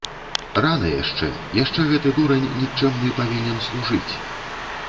Рана яшчэ, яшчэ гэты дурань нікчэмны павінен служыць.